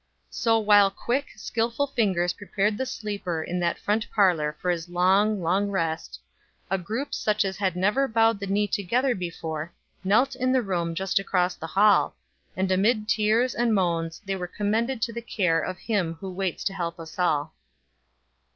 So while quick, skillful fingers prepared the sleeper in that front parlor for his long, long rest, a group such as had never bowed the knee together before, knelt in the room just across the hall, and amid tears and moans they were commended to the care of Him who waits to help us all.